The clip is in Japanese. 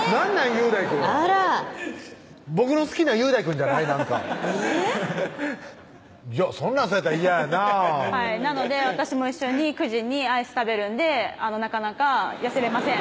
雄大くん僕の好きな雄大くんじゃないアハハハッそんなんされたら嫌やなぁはいなので私も一緒に９時にアイス食べるんでなかなか痩せれません